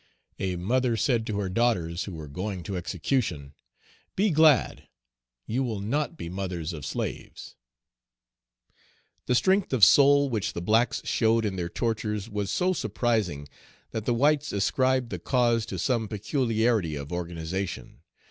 A mother said to her daughters who were going to execution, "Be glad; you will not be mothers of slaves." The strength of soul which the blacks showed in their tortures was so surprising that the whites ascribed the cause to some peculiarity of organization.